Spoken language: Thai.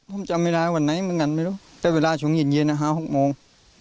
ผมจำไม่ร้ายวันไหนเหมือนกันไม่รู้แต่เวลาช่วงหยิดเย็นอ่ะห้าหกโมง